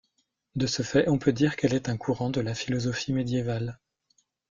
De ce fait, on peut dire qu'elle est un courant de la philosophie médiévale.